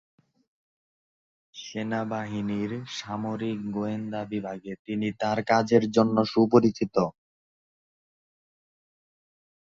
সেনাবাহিনীর সামরিক গোয়েন্দা বিভাগে তিনি তার কাজের জন্য সুপরিচিত।